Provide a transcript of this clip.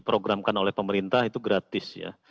programkan oleh pemerintah itu gratis ya